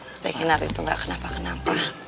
supaya kinar itu nggak kenapa kenapa